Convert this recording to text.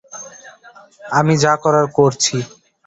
আমি যা করার করছি।